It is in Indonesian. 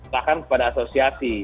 bahkan kepada asosiasi